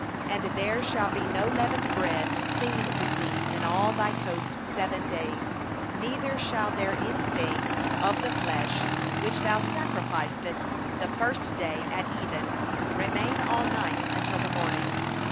4And there shall be no leaven seen with thee in all they borders seven days; neither shall any of the flesh, which thou sacrificest the first day at even, remain all night until the morning.